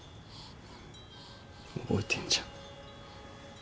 覚えてんじゃん。